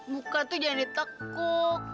muka tuh jangan ditekuk